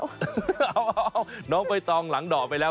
เอาน้องใบตองหลังดอกไปแล้ว